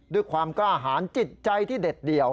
ด้วยความกล้าหารจิตใจที่เด็ดเดี่ยว